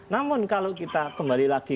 namun kalau kita kembali lagi